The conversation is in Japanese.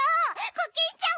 コキンちゃん